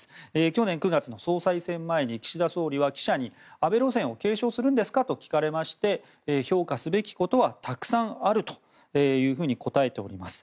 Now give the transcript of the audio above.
去年９月の総裁選前に岸田総理は記者に、安倍路線を継承するんですかと聞かれまして評価すべきことはたくさんあると答えております。